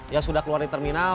yang sudah keluar di terminal